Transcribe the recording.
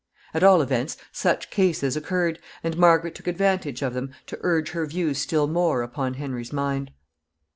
At all events, such cases occurred, and Margaret took advantage of them to urge her views still more upon Henry's mind.